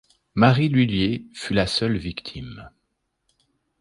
Marie Lhuillier fut la seule victime.